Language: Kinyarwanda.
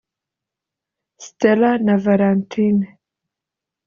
Stella na Valentine)